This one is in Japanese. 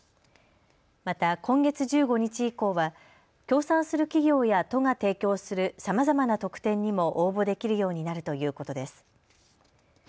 また今月１５日以降は、協賛する企業や都が提供するさまざまな特典にも応募できるようになるということです。